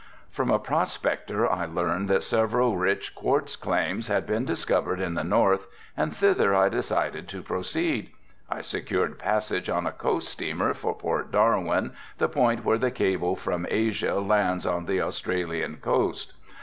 From a prospector I learned that several rich quartz claims had been discovered in the north and thither I decided to proceed. I secured passage on a coast steamer for Port Darwin, the point where the cable from Asia lands on the Australian coast.